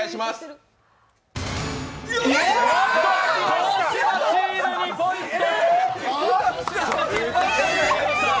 川島チーム、２ポイント。